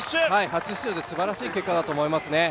初出場ですばらしい結果だと思いますね。